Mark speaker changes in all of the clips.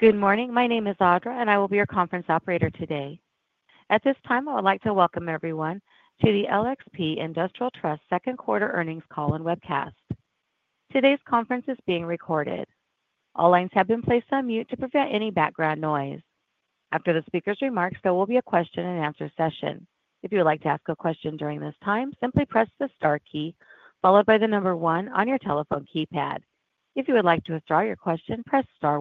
Speaker 1: Good morning. My name is Audra and I will be your conference operator today. At this time I would like to welcome everyone to the LXP Industrial Trust second quarter earnings eall and webcast. Today's conference is being recorded. All lines have been placed on mute to prevent any background noise. After the speaker's remarks, there will be a question and answer session. If you would like to ask a question during this time, simply press the star key followed by the number one on your telephone keypad. If you would like to withdraw your question, press star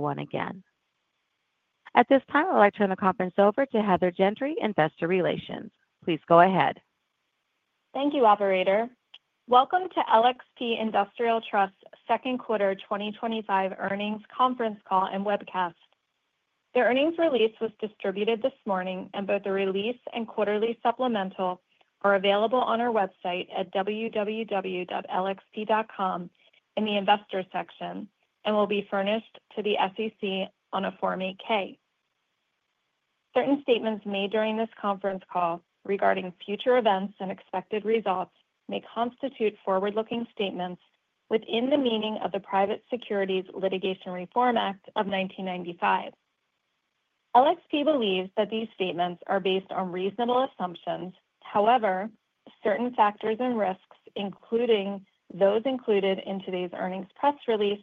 Speaker 1: one again. At this time I would like to turn the conference over to Heather Gentry, Investor Relations. Please go ahead.
Speaker 2: Thank you. Operator, welcome to LXP Industrial Trust second quarter 2025 earnings conference call and webcast. The earnings release was distributed this morning, and both the release and quarterly supplemental are available on our website at www.lxp.com in the Investors Section and will be furnished to the SEC on a Form 8-K. Certain statements made during this conference call regarding future events and expected results may constitute forward-looking statements within the meaning of the Private Securities Litigation Reform Act of 1995. LXP believes that these statements are based on reasonable assumptions. However, certain factors and risks, including those included in today's earnings press release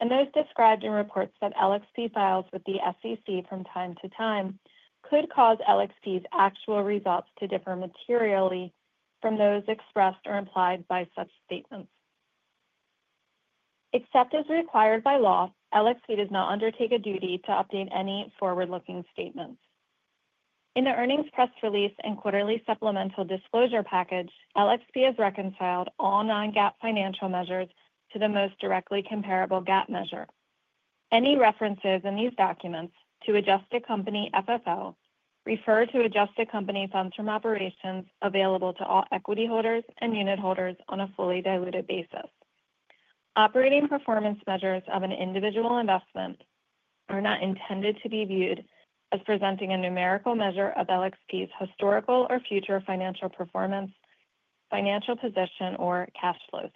Speaker 2: and those described in reports that LXP files with the SEC from time to time, could cause LXP's actual results to differ materially from those expressed or implied by such statements. Except as required by law, LXP does not undertake a duty to update any forward-looking statements in the earnings press release and Quarterly Supplemental disclosure package. LXP has reconciled all non-GAAP financial measures to the most directly comparable GAAP measure. Any references in these documents to adjusted company FFO refer to adjusted company funds from operations available to all equity holders and unitholders on a fully diluted basis. Operating performance measures of an individual investment are not intended to be viewed as presenting a numerical measure of LXP's historical or future financial performance, financial position, or cash flows.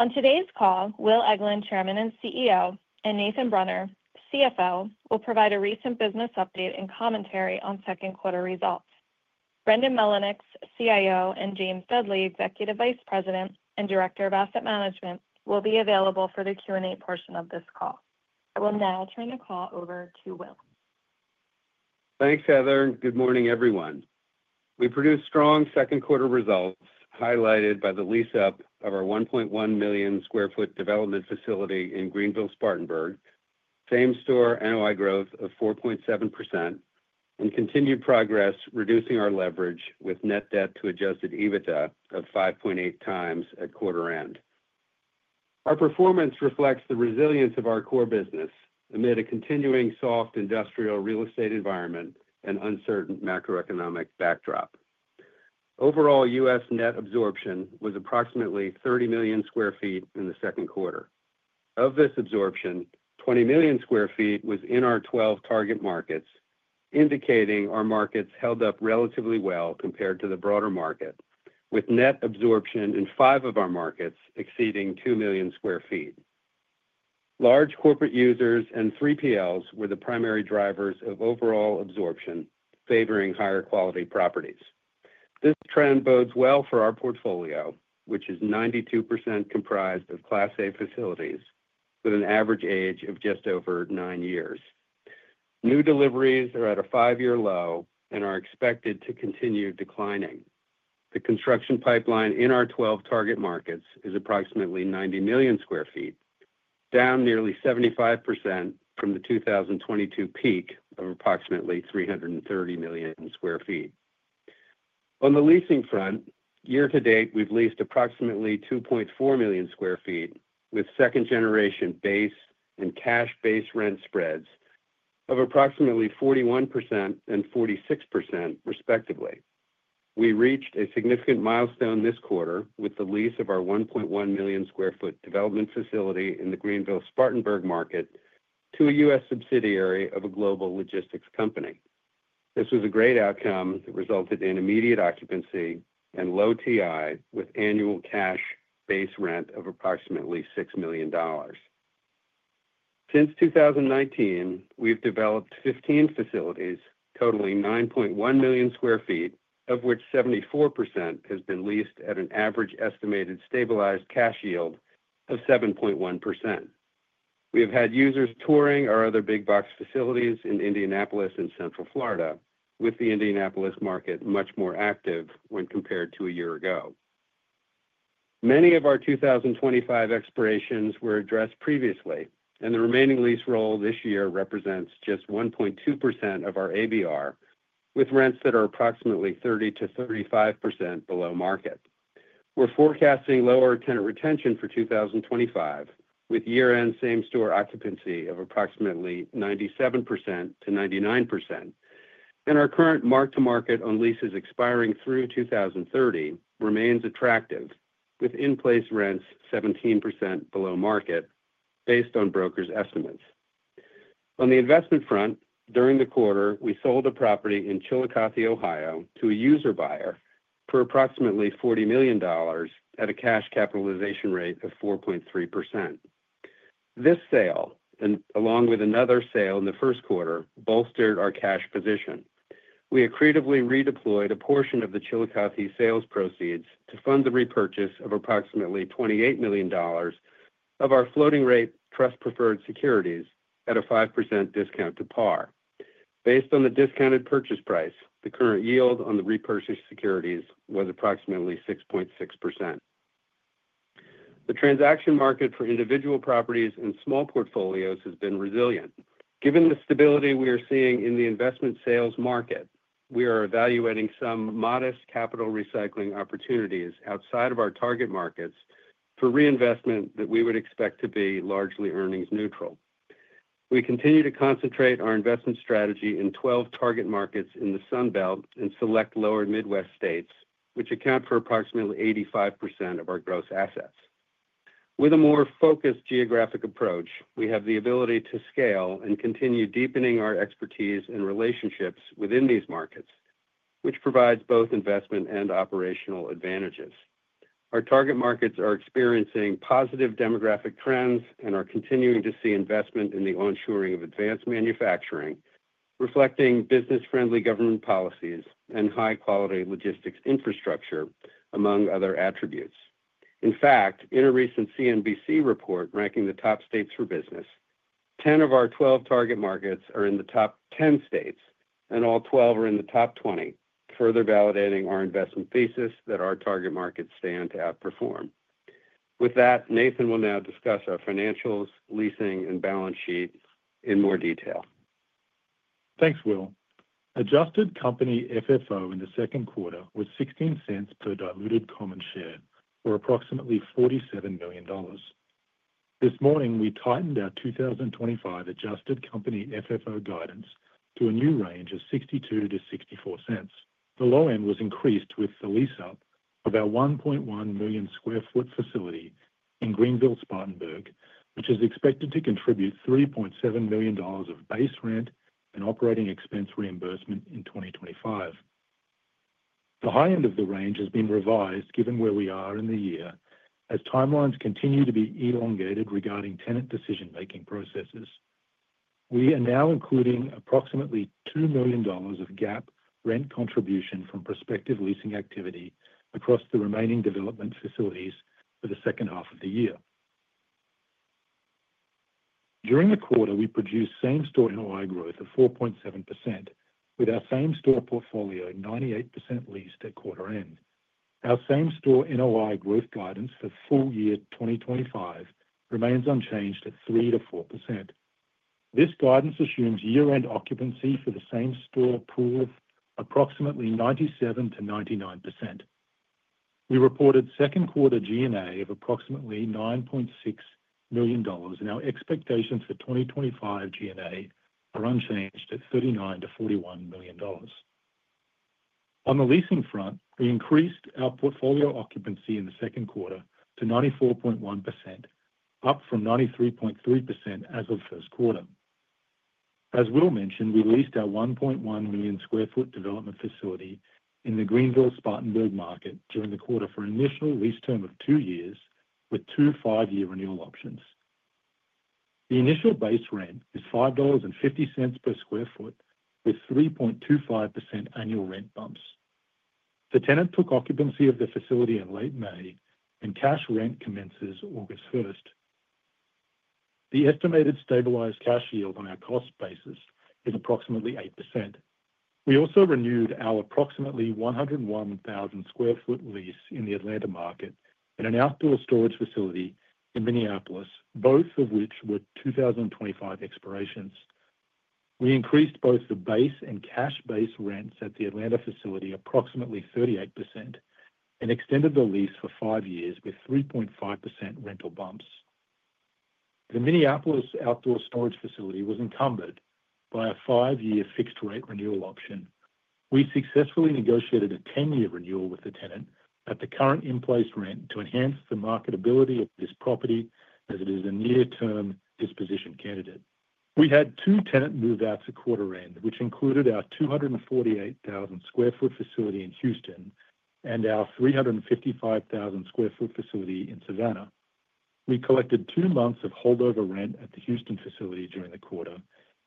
Speaker 2: On today's call, Will Eglin, Chairman and CEO, and Nathan Brunner, CFO, will provide a recent business update and commentary on second quarter results. Brendan Mullinix, CIO, and James Dudley, Executive Vice President and Director of Asset Management, will be available for the Q&A portion of this call. I will now turn the call over to Will.
Speaker 3: Thanks, Heather. Good morning, everyone. We produced strong second quarter results highlighted by the lease-up of our 1.1 million sq ft development facility in Greenville-Spartanburg, same store NOI growth of 4.7%, and continued progress reducing our leverage with net debt to adjusted EBITDA of 5.8x at quarter end. Our performance reflects the resilience of our core business amid a continuing soft industrial real estate environment and uncertain macroeconomic backdrop. Overall, U.S. net absorption was approximately 30 million sq ft. In the second quarter, of this absorption, 20 million sq ft was in our 12 target markets, indicating our markets held up relatively well compared to the broader market, with net absorption in five of our markets exceeding 2 million sq ft. Large corporate users and 3PLs were the primary drivers of overall absorption, favoring higher quality properties. This trend bodes well for our portfolio, which is 92% comprised of Class A facilities with an average age of just over nine years. New deliveries are at a five-year low and are expected to continue declining. The construction pipeline in our 12 target markets is approximately 90 million sq ft, down nearly 75% from the 2022 peak of approximately 330 million sq ft. On the leasing front, year to date we've leased approximately 2.4 million sq ft with second-generation base and cash rent spreads of approximately 41% and 46%, respectively. We reached a significant milestone this quarter with the lease of our 1.1 million sq ft development facility in the Greenville-Spartanburg market to a U.S. subsidiary of a global logistics company. This was a great outcome that resulted in immediate occupancy and low TI with annual cash base rent of approximately $6 million. Since 2019, we've developed 15 facilities totaling 9.1 million sq ft, of which 74% has been leased at an average estimated stabilized cash yield of 7.1%. We have had users touring our other Big Box Facilities in Indianapolis and Central Florida, with the Indianapolis market much more active when compared to a year ago. Many of our 2025 expirations were addressed previously, and the remaining lease roll this year represents just 1.2% of our ABR with rents that are approximately 30% to 35% below market. We're forecasting lower tenant retention for 2025 with year-end same store occupancy of approximately 97% to 99%, and our current mark to market on leases expiring through 2030 remains attractive with in-place rents 17% below market based on brokers' estimates. On the investment front during the quarter, we sold a property in Chillicothe, Ohio to a user buyer for approximately $40 million at a cash capitalization rate of 4.3%. This sale, along with another sale in the first quarter, bolstered our cash position. We accretively redeployed a portion of the Chillicothe sale's proceeds to fund the repurchase of approximately $28 million of our floating rate trust preferred securities at a 5% discount to par based on the discounted purchase price. The current yield on the repurchased securities was approximately 6.6%. The transaction market for individual properties and small portfolios has been resilient. Given the stability we are seeing in the investment sales market, we are evaluating some modest capital recycling opportunities outside of our target markets for reinvestment that we would expect to be largely earnings neutral. We continue to concentrate our investment strategy in 12 target markets in the Sun Belt and select lower Midwest states, which account for approximately 85% of our gross assets. With a more focused geographic approach, we have the ability to scale and continue deepening our expertise and relationships within these markets, which provides both investment and operational advantages. Our target markets are experiencing positive demographic trends and are continuing to see investment in the onshoring of advanced manufacturing, reflecting business-friendly government policies and high-quality logistics infrastructure, among other attributes. In fact, in a recent CNBC report ranking the top states for business, 10 of our 12 target markets are in the top 10 states and all 12 are in the top 20, further validating our investment thesis that our target markets stand to outperform. With that, Nathan will now discuss our financials, leasing, and balance sheet in more detail.
Speaker 4: Thanks, Will. Adjusted company FFO in the second quarter was $0.16 per diluted common share or approximately $47 million. This morning we tightened our 2025 adjusted company FFO guidance to a new range of $0.62 to $0.64. The low end was increased with the lease-up of our 1.1 million sq ft facility in Greenville-Spartanburg, which is expected to contribute $3.7 million of base rent and operating expense reimbursement in 2025. The high end of the range has been revised given where we are in the year as timelines continue to be elongated regarding tenant decision-making processes. We are now including approximately $2 million of GAAP rent contribution from prospective leasing activity across the remaining development facilities for the second half of the year. During the quarter we produced same store NOI growth of 4.7% with our same store portfolio 98% leased at quarter end. Our same store NOI growth guidance for full year 2025 remains unchanged at 3% to 4%. This guidance assumes year end occupancy for the same store pool of approximately 97% to 99%. We reported second quarter G&A of approximately $9.6 million and our expectations for 2025 G&A are unchanged at $39 million to $41 million. On the leasing front, we increased our portfolio occupancy in the second quarter to 94.1%, up from 93.3% as of first quarter. As Will mentioned, we leased our 1.1 million sq ft development facility in the Greenville-Spartanburg market during the quarter for an initial lease term of two years with two five-year renewal options. The initial base rent is $5.50 per sq ft with 3.25% annual rent bumps. The tenant took occupancy of the facility in late May and cash rent commences August 1st. The estimated stabilized cash yield on our cost basis is approximately 8%. We also renewed our approximately 101,000 sq ft lease in the Atlanta market and an outdoor storage facility in Minneapolis, both of which were 2025 expirations. We increased both the base and cash-based rents at the Atlanta facility approximately 38% and extended the lease for five years with 3.5% rental bumps. The Minneapolis outdoor storage facility was encumbered by a five-year fixed rate renewal option. We successfully negotiated a 10-year renewal with the tenant at the current in-place rent to enhance the marketability of this property as it is a near-term disposition candidate. We had two tenant move outs at quarter end, which included our 248,000 sq ft facility in Houston and our 355,000 sq ft facility in Savannah. We collected two months of holdover rent at the Houston facility during the quarter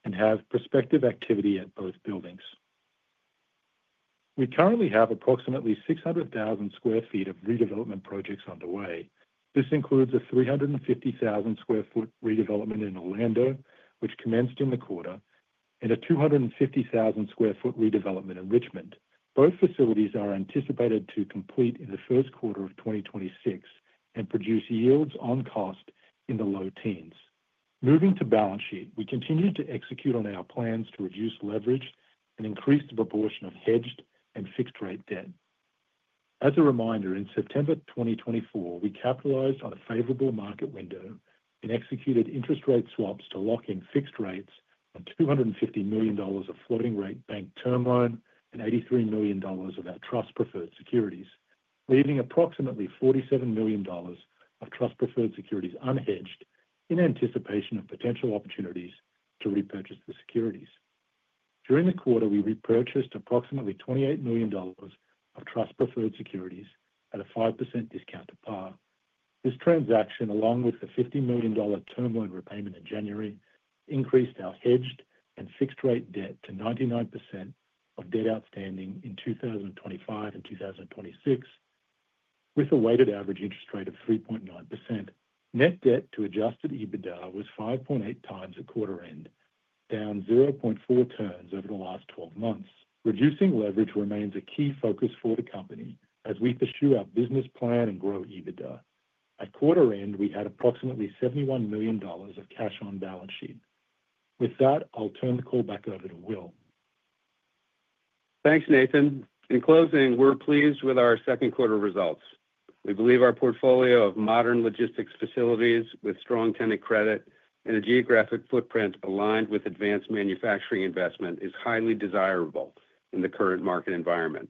Speaker 4: and have prospective activity at both buildings. We currently have approximately 600,000 squ ft of redevelopment projects underway. This includes a 350,000 sq ft redevelopment in Orlando, which commenced in the quarter, and a 250,000 sq ft redevelopment in Richmond. Both facilities are anticipated to complete in the first quarter of 2026 and produce yields on cost in the low teens. Moving to balance sheet, we continue to execute on our plans to reduce leverage and increase the proportion of hedged and fixed rate debt. As a reminder, in September 2024, we capitalized on a favorable market window and executed interest rate swaps to lock in fixed rates on $250 million of floating rate bank term loan and $83 million of our floating rate trust preferred securities, leaving approximately $47 million of trust preferred securities unhedged. In anticipation of potential opportunities to repurchase the securities during the quarter, we repurchased approximately $28 million of trust preferred securities at a 5% discount to par. This transaction, along with the $50 million term loan repayment in January, increased our hedged and fixed rate debt to 99% of debt outstanding in 2025 and 2026, with a weighted average interest rate of 3.9%. Net debt to adjusted EBITDA was 5.8x at quarter end, down 0.4 turns over the last 12 months. Reducing leverage remains a key focus for the company as we pursue our business plan and grow EBITDA. At quarter end, we had approximately $71 million of cash on balance sheet. With that, I'll turn the call back over to Will.
Speaker 3: Thanks, Nathan. In closing, we're pleased with our second quarter results. We believe our portfolio of modern logistics facilities with strong tenant credit and a geographic footprint aligned with advanced manufacturing investment is highly desirable in the current market environment.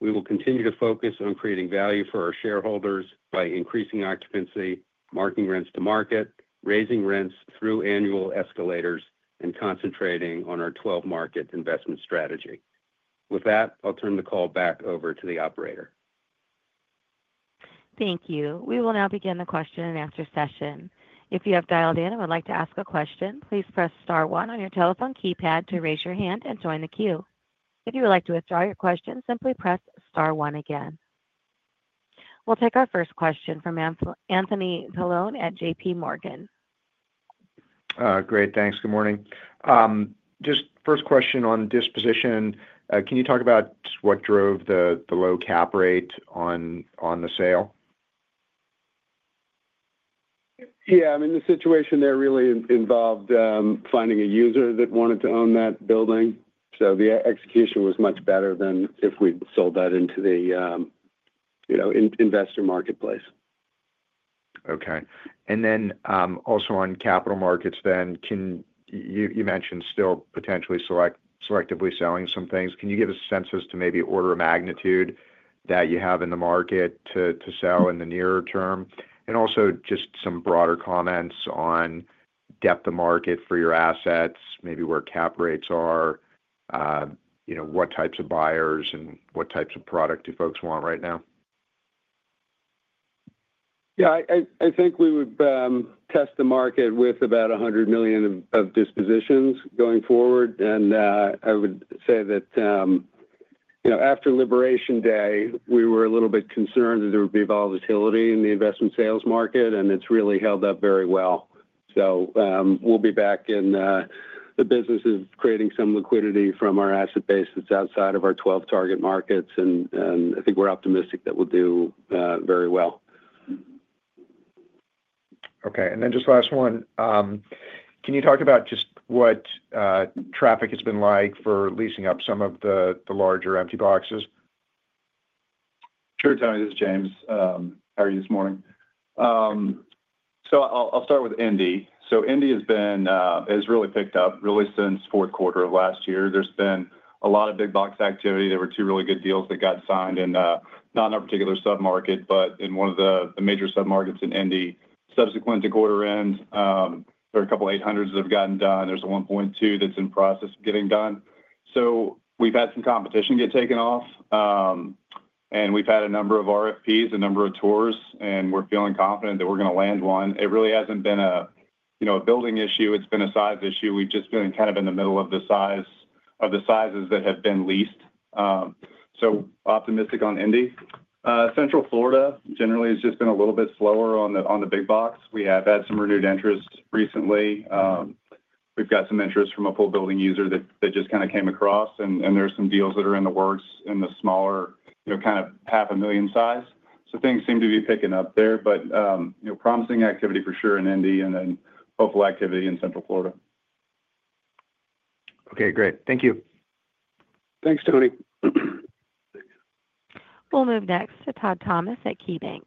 Speaker 3: We will continue to focus on creating value for our shareholders by increasing occupancy, marking rents to market, raising rents through annual escalators, and concentrating on our 12 market investment strategy. With that, I'll turn the call back. Over to the operator.
Speaker 1: Thank you. We will now begin the question and answer session. If you have dialed in and would like to ask a question, please press Star one on your telephone keypad to raise your hand and join the queue. If you would like to withdraw your question, simply press Star one again. We'll take our first question from Anthony Talone at JPMorgan.
Speaker 5: Great, thanks. Good morning. Just first question on disposition. Can you talk about what drove the low cap rate on the sale?
Speaker 3: Yeah, I mean the situation there really involved finding a user that wanted to own that building. The execution was much better than if we sold that into the investor marketplace.
Speaker 5: Okay. On capital markets, can you mention still potentially selectively selling some things? Can you give us a sense as to maybe order of magnitude that you have in the market to sell in the near term? Also, just some broader comments on depth of market for your assets, maybe where cap rates are, what types of buyers and what types of product do folks want right now?
Speaker 3: Yeah, I think we would test the market with about $100 million of dispositions going forward. I would say that after Liberation Day we were a little bit concerned that there would be volatility in the investment sales market. It's really held up very well. We'll be back in the business of creating some liquidity from our asset bases outside of our 12 target markets. I think we're optimistic that we'll do very well.
Speaker 5: Okay, and then just last one, can you talk about just what traffic has been like for leasing up some of the larger empty boxes.
Speaker 6: Sure. Tommy, this is James. How are you this morning? I'll start with Indy. Indy has really picked up since the fourth quarter of last year. There's been a lot of big box activity. There were two really good deals that got signed, not in our particular submarket but in one of the major submarkets in Indy. Subsequent to quarter end, there are a couple $800,000 deals that have gotten done. There's a $1.2 million deal that's in the process of getting done. We've had some competition get taken off and we've had a number of RFPs, a number of tours, and we're feeling confident that we're going to land one. It really hasn't been a building issue, it's been a size issue. We've just been kind of in the middle of the sizes that have been leased. We're optimistic on Indy. Central Florida generally has just been a little bit slower on the big box. We have had some renewed interest recently. We've got some interest from a full building user that just came across and there are some deals that are in the works in the smaller, kind of $500,000 size. Things seem to be picking up there. Promising activity for sure in Indy and then hopeful activity in Central Florida.
Speaker 5: Okay, great. Thank you.
Speaker 3: Thanks Tony.
Speaker 1: We'll move next to Todd Thomas at KeyBanc.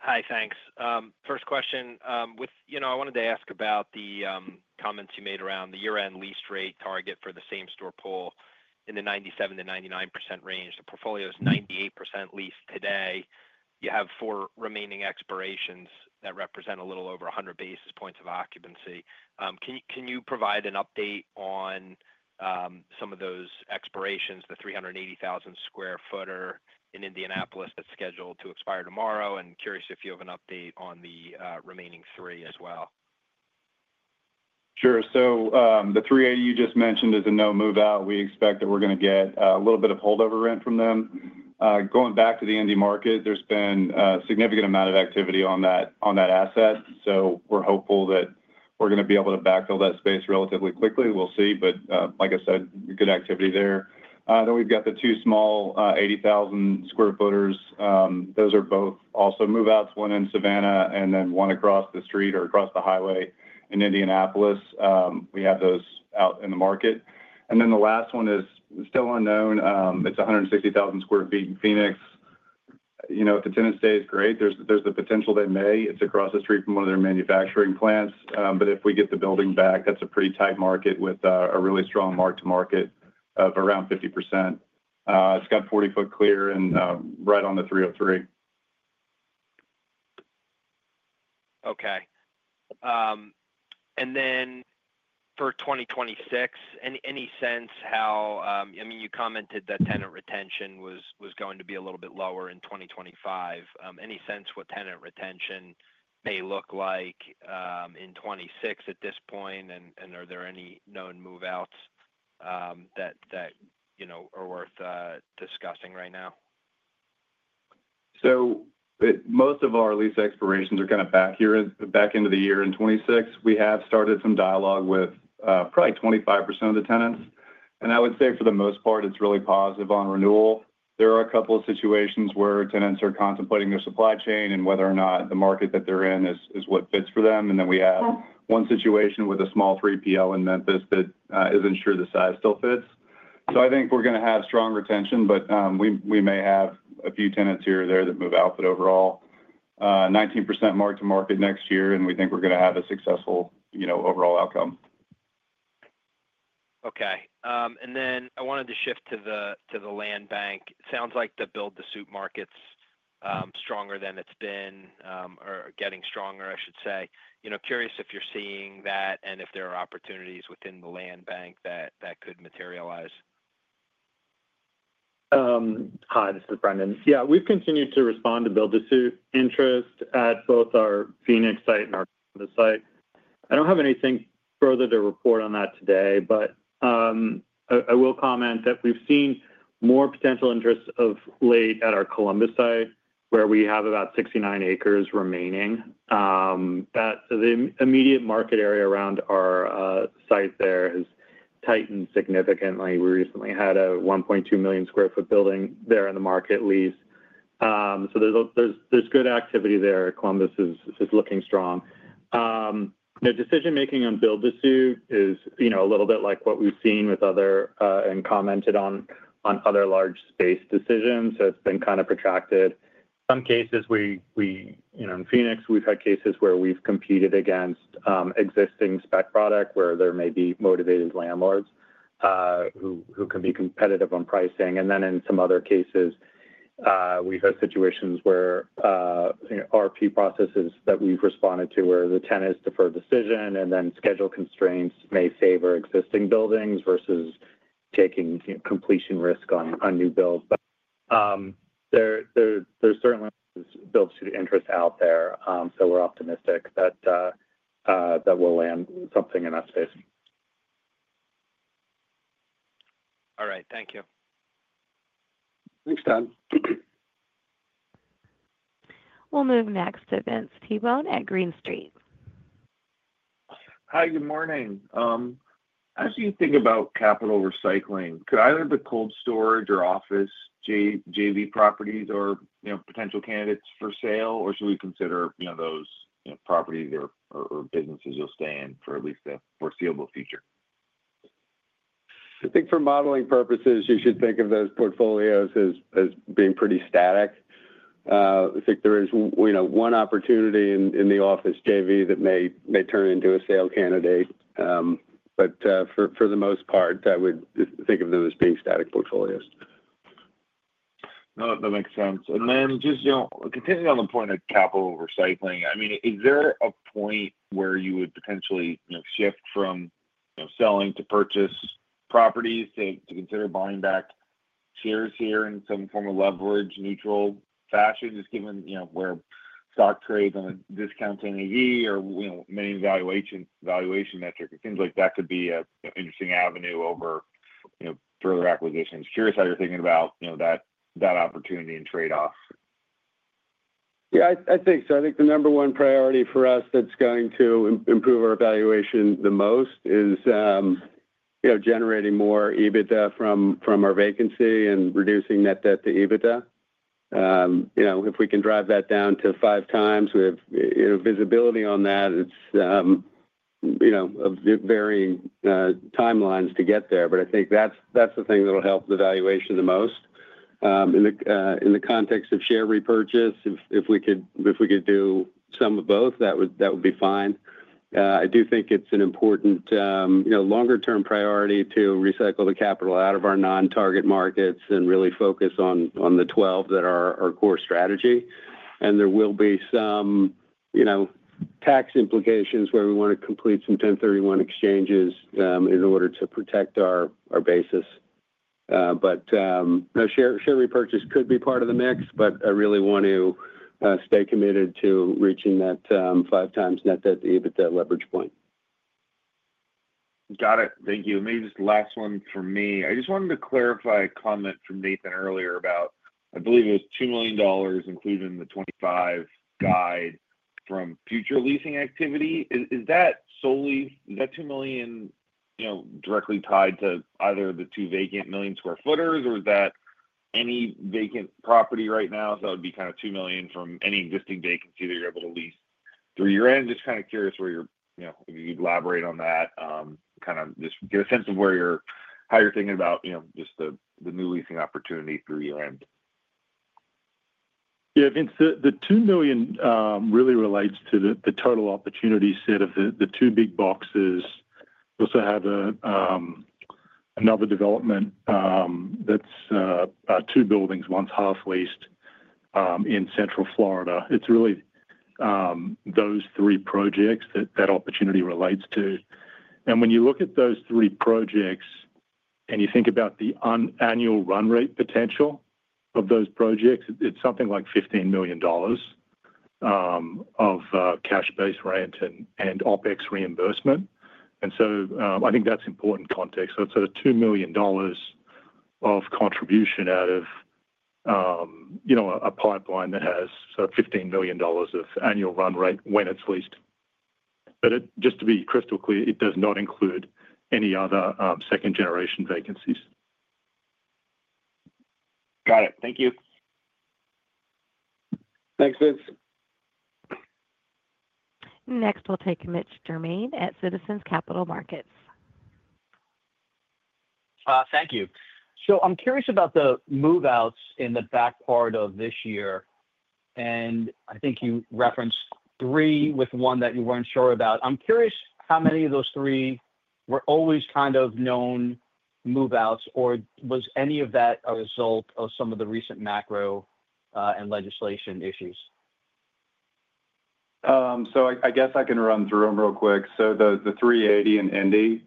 Speaker 7: Hi, thanks. First question. I wanted to ask about the comments you made around the year end lease rate target for the same store pool in the 97% to 99% range. The portfolio is 98% leased today. You have four remaining expirations that represent a little over 100 basis points of occupancy. Can you provide an update on some of those expirations? The 380,000 square footers in Indianapolis that's scheduled to expire tomorrow. Curious if you have an update on the remaining three as well.
Speaker 6: Sure. The 380 you just mentioned is a no move out. We expect that we're going to get a little bit of holdover rent from them going back to the Indy market. There's been a significant amount of activity on that asset, so we're hopeful that we're going to be able to backfill that space relatively quickly. We'll see, but like I said, good activity there. We've got the two small 80,000 square footers. Those are both also move outs, one in Savannah and one across the street or across the highway in Indianapolis. We have those out in the market. The last one is still unknown. It's 160,000 sq ft in Phoenix. If the tenant stays, great. There's the potential they may. It's across the street from one of their manufacturing plants. If we get the building back, that's a pretty tight market with a really strong mark to market of around 50%. It's got 40 foot clear and right on the 303.
Speaker 7: Okay. For 2026, any sense how, I mean, you commented that tenant retention was going to be a little bit lower in 2025. Any sense what tenant retention may look like in 2026 at this point? Are there any known move outs that you know are worth discussing right now?
Speaker 6: Most of our lease expirations are kind of back here, back into the year. In 2026, we have started some dialogue with probably 25% of the tenants. I would say for the most part it's really positive on renewal. There are a couple of situations where tenants are contemplating their supply chain and whether or not the market that they're in is what fits for them. We have one situation with a small 3PL in Memphis that isn't sure the size still fits. I think we're going to have strong retention, but we may have a few tenants here or there that move out. Overall, 19% mark to market next year and we think we're going to have a successful overall outcome.
Speaker 3: Okay. I wanted to shift to the land bank. Sounds like the build-to-suit market is stronger than it's been or getting stronger, I should say. Curious if you're seeing that and if there are opportunities within the land bank that could materialize.
Speaker 8: Hi, this is Brendan. Yeah, we've continued to respond to build-to-suit interest at both our Phoenix site and our site. I don't have anything further to report on that today, but I will comment that we've seen more potential interest of late at our Columbus site where we have about 69 acres remaining. The immediate market area around our site there has been tightened significantly. We recently had a $1.2 million sq ft building there in the market lease, so there's good activity there. Columbus is looking strong. The decision making on build-to-suit is a little bit like what we've seen with other and commented on other large space decisions. It's been kind of protracted. In some cases in Phoenix, we've had cases where we've competed against existing spec product where there may be motivated landlords who can be competitive on pricing. In some other cases, we've had situations where RFP processes that we've responded to where the tenants defer decision and then schedule constraints may favor existing buildings versus taking completion risk on new build. But. There's certainly build-to-suit interest out there. We're optimistic that that will land something in that space.
Speaker 7: All right, thank you.
Speaker 3: Thanks, Todd.
Speaker 1: We'll move next to Vince Tibone at Green Street.
Speaker 9: Hi, good morning. As you think about capital recycling, could either the cold storage or office JV properties be potential candidates for sale, or should we consider those properties or businesses you'll stay in for at least the foreseeable future?
Speaker 3: I think for modeling purposes you should think of those portfolios as being pretty static. I think there is one opportunity in the office JV that may turn into a sale candidate, but for the most part I would think of them as being static portfolios.
Speaker 9: That makes sense. Just continuing on the point of capital recycling, is there a point where you would potentially shift from selling to purchase properties to consider buying back shares here in some form of leverage neutral fashion? Just given where stock trades on a discount NAV or many valuation metric, it seems like that could be an interesting avenue over further acquisitions. Curious how you're thinking about that opportunity and trade offs.
Speaker 3: Yeah, I think so. I think the number one priority for us that's going to improve our valuation the most is generating more EBITDA from our vacancy and reducing net debt to EBITDA. If we can drive that down to five times with visibility on that, it's varying timelines to get there. I think that's the thing that will help the valuation the most in the context of share repurchase. If we could do some of those, that would be fine. I do think it's an important longer term priority to recycle the capital out of our non target markets and really focus on the 12 that are our core strategy. There will be some tax implications where we want to complete some 1031 exchanges in order to protect our basis. Share repurchase could be part of the mix. I really want to stay committed to reaching that five times net debt to EBITDA leverage point.
Speaker 9: Got it. Thank you. Maybe just last one for me. I just wanted to clarify a comment from Nathan earlier about, I believe it was $2 million included in the 2025 guide from future leasing activity. Is that solely that $2 million, you know, directly tied to either the two vacant million square footers or is that any vacant property right now? It would be kind of $2. Million from any existing vacancy that you're able to lease through year end. Just kind of curious if you could elaborate on that, just get a sense of how you're thinking about the new leasing opportunity through year end.
Speaker 4: Yeah, Vince, the $2 million really relates to the total opportunity set of the two big boxes. There is also another development that's two buildings, one's half leased in Central Florida. It's really those three projects that that opportunity relates to. When you look at those three projects and you think about the annual run rate potential of those projects, it's something like $15 million. Of cash-based. Rent and OpEx reimbursement. I think that's important context. It's a $2 million contribution out of a pipeline that has $15 million of annual run rate when it's leased. Just to be crystal clear, it does not include any other second-generation vacancies.
Speaker 9: Got it. Thank you.
Speaker 3: Thanks, Vince.
Speaker 1: Next we'll take Mitch Germain at Citizens Capital Markets.
Speaker 10: Thank you. I am curious about the move outs in the back part of this year. I think you referenced three with. One that you weren't sure about. I'm curious how many of those three were always kind of known move outs, or was any of that a result of some of the recent macro and legislation issues?
Speaker 6: I can run through them real quick. The 380 in Indy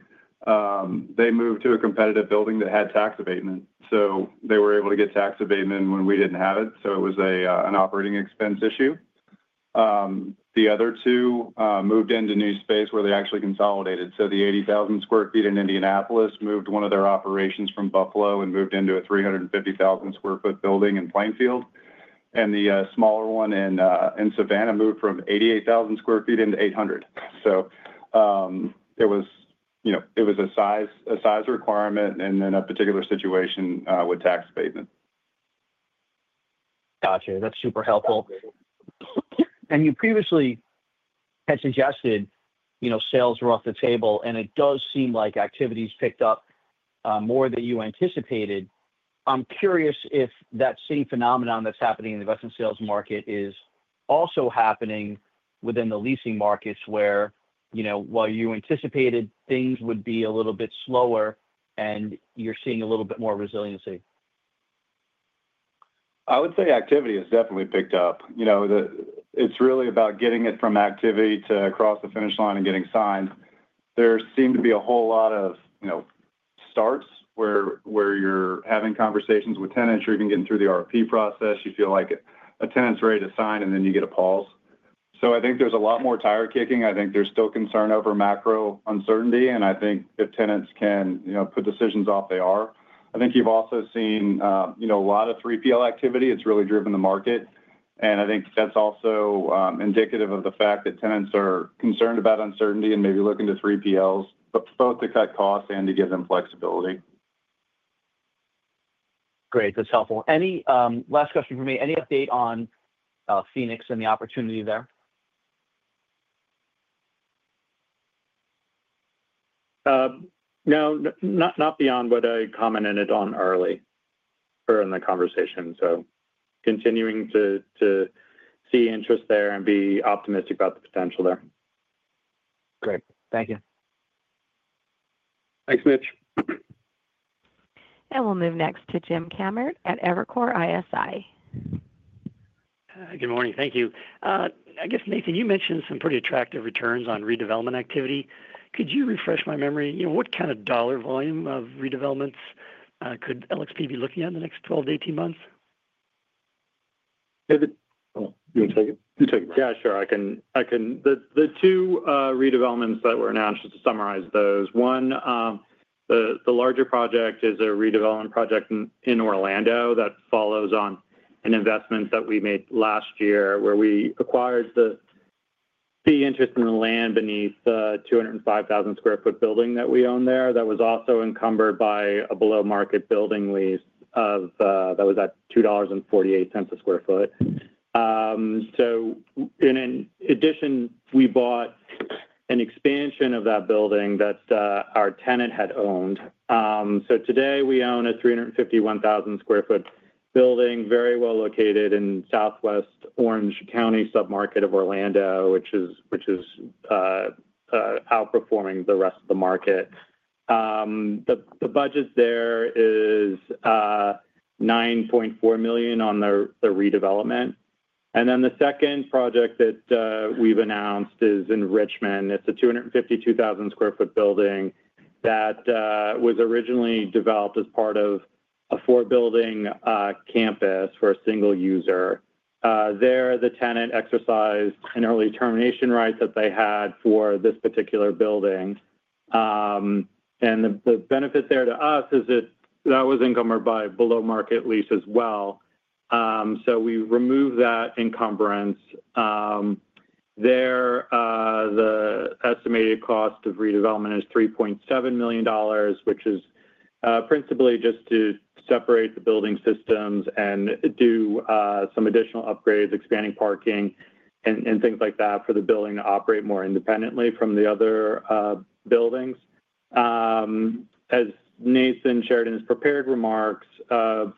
Speaker 6: moved to a competitive building that had tax abatement. They were able to get tax abatement when we didn't have it, so it was an operating expense issue. The other two moved into new space where they actually consolidated. The 80,000 sq ft in Indianapolis moved one of their operations from Buffalo and moved into a 350,000 sq ft building in Plainfield, and the smaller one in Savannah moved from 88,000 sq ft into 800. It was a size requirement and then a particular situation with tax abatement.
Speaker 10: Gotcha. That's super helpful. You previously had suggested, you know, sales were off the table, and it does seem like activities picked up more than you anticipated. I'm curious if that same phenomenon that's happening in the western sales market is also happening within the leasing markets, where you anticipated things would be a little bit slower and you're seeing a little bit more resiliency.
Speaker 6: I would say activity has definitely picked up. It's really about getting it from activity to across the finish line and getting signed. There seem to be a whole lot of starts where you're having conversations with tenants or even getting through the RFP process. You feel like a tenant's ready to sign and then you get a pause. I think there's a lot more tire kicking. I think there's still concern over macro uncertainty, and I think if tenants can put decisions off, they are. I think you've also seen a lot of 3PL activity. It's really driven the market. I think that's also indicative of the fact that tenants are concerned about uncertainty and maybe looking to 3PLs both to cut costs and to give them flexibility.
Speaker 10: Great, that's helpful. Any last question for me? Any update on Phoenix and the opportunity there?
Speaker 3: No, not beyond what I commented on earlier in the conversation. Continuing to see interest there and be optimistic about the potential there.
Speaker 10: Great, thank you.
Speaker 3: Thanks, Mitch.
Speaker 1: We will move next to Jim Kammert at Evercore ISI.
Speaker 11: Good morning. Thank you. I guess, Nathan, you mentioned some pretty attractive returns on redevelopment activity. Could you refresh my memory? What kind of dollar volume of redevelopments could LXP be looking at in the next 12 to 18 months?
Speaker 4: Yeah, sure, I can. The two redevelopments that were announced, just to summarize those. One, the larger project is a redevelopment project in Orlando that follows on an investment that we made last year where we acquired the fee interest in the land beneath the 205,000 sq ft building that we own there that was also encumbered by a below market building lease. Lease of that was at $2.48 a square foot. In addition, we bought an expansion of that building that our tenant had owned. Today we own a 351,000 sq ft building very well located in the southwest Orange County submarket of Orlando, which is outperforming the rest of the market. The budget there is $9.4 million on the redevelopment. The second project that we've announced is in Richmond. It's a 252,000 sq ft building that was originally developed as part of a four building campus for a single user there. The tenant exercised an early termination right that they had for this particular building. The benefit there to us is that that was encumbered by a below market lease as well. We remove that encumbrance there. The estimated cost of redevelopment is $3.7 million, which is principally just to separate the building systems and do some additional upgrades, expanding parking and things like that, for the building to operate more independently from the other buildings. As Nathan shared in his prepared remarks,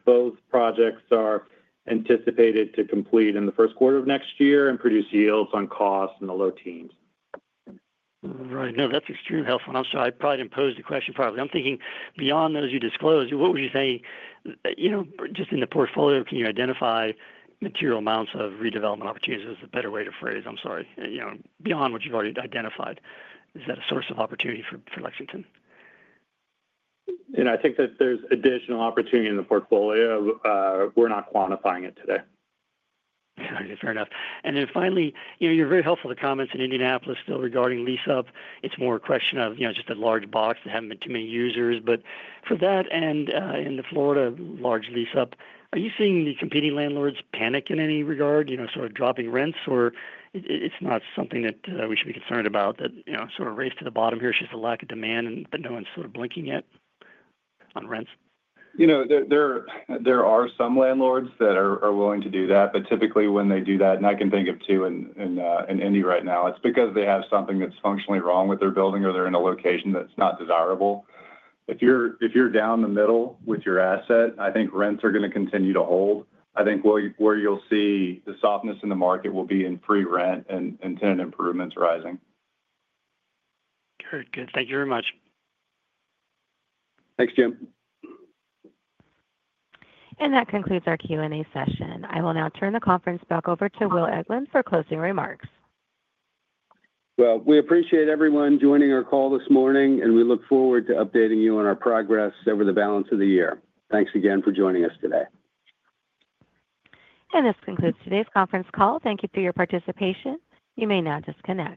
Speaker 4: both projects are anticipated to complete in the first quarter of next year and produce yields on cost in the low teens.
Speaker 11: Right. No, that's extremely helpful. I'm sorry, I probably posed a question. I'm thinking beyond those you disclosed, what would you say? Just in the portfolio, can you identify material amounts of redevelopment opportunities? Is a better way to phrase it. I'm sorry, beyond what you've already identified, is that a source of opportunity for LXP Industrial Trust?
Speaker 4: I think that there's additional opportunity in the portfolio. We're not quantifying it today.
Speaker 11: Fair enough. Finally, you're very helpful. The comments in Indianapolis still, regarding lease-up, it's more a question of just a large box. There haven't been too many users. For that. In the Florida large lease-up, are you seeing the competing landlords panic in any regard, you know, sort of dropping rents, or is it not something that we should be concerned about, that, you know, sort of race to the bottom here? She sees a lack of demand and no one's sort of blinking yet on rents.
Speaker 6: You know, there are some landlords that are willing to do that, but typically when they do that, and I can think of two in Indy right now, it's because they have something that's functionally wrong with their building or they're in a location that's not desirable. If you're down the middle with your asset, I think rents are going to continue to hold. I think where you'll see the softness in the market will be in free rent and tenant improvements rising.
Speaker 11: Good. Thank you very much. Thanks, Jim.
Speaker 1: That concludes our Q and A session. I will now turn the conference back over to Will Eglin for closing remarks.
Speaker 3: We appreciate everyone joining our call this morning, and we look forward to updating you on our progress over the balance of the year. Thanks again for joining us today.
Speaker 1: This concludes today's conference call. Thank you for your participation. You may now disconnect.